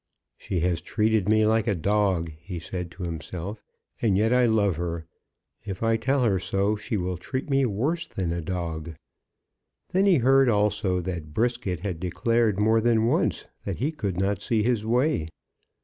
"She has treated me like a dog," he said to himself, "and yet I love her. If I tell her so, she will treat me worse than a dog." Then he heard, also, that Brisket had declared more than once that he could not see his way.